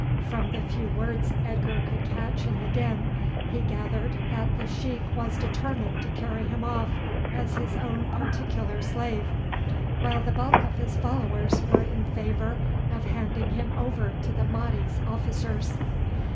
From the few words Edgar could catch in the din he gathered that the sheik was determined to carry him off as his own particular slave, while the bulk of his followers were in favour of handing him over to the Mahdi's officers.